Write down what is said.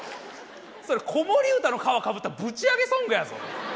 それ子守唄の皮かぶったぶち上げソングやぞ。